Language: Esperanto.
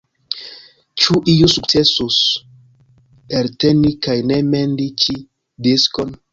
Ĉu iu sukcesus elteni kaj ne mendi ĉi diskon?